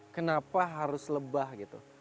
kenapa harus lebah gitu